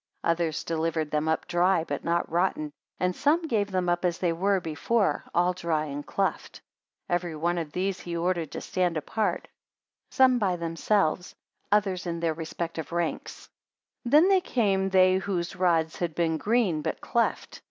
Others delivered them up dry, but not rotten; and some gave them up as they were before, all dry, and cleft. 38 Every one of these he ordered to stand apart; some by themselves, others in their respective ranks. 32 Then came they whose rods had been green, but cleft.